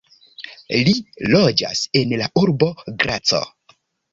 Li loĝas en la urbo Graco.